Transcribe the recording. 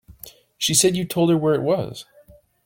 She said you told her where it was.